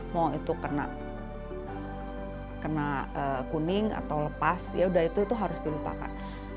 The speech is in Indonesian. mau itu kena kuning atau lepas ya udah itu harus dilupakan